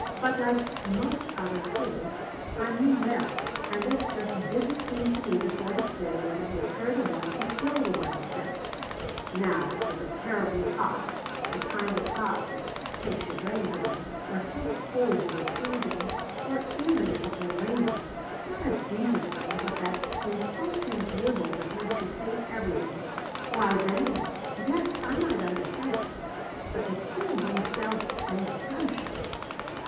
But like most other fools I mean well, and this just didn't seem to me the sort of day when it would occur to one to kill one's self. Now if it were terribly hot, the kind of hot that takes your brains away, or so cold you were freezing, or even if it were raining, not a decent rain, but that insulting drizzle that makes you hate everything why then, yes, I might understand. But to kill one's self in the sunshine!"